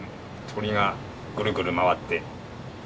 鳥がぐるぐる回って。